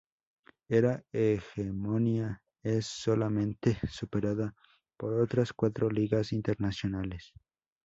Esta hegemonía es solamente superada por otras cuatro ligas internacionales.